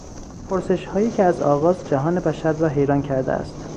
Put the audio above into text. پرسشهایی که از آغاز جهان بشر را حیران کرده است